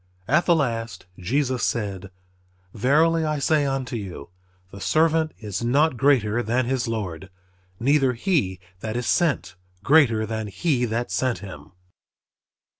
At the last Jesus said, "Verily I say unto you, the servant is not greater than his Lord; neither he that is sent greater than he that sent him."